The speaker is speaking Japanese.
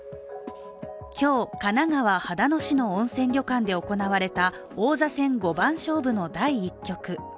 今日、神奈川・秦野市の温泉旅館で行われた王座戦五番勝負の第１局。